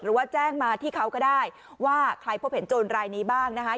หรือว่าแจ้งมาที่เขาก็ได้ว่าใครพบเห็นโจรรายนี้บ้างนะคะ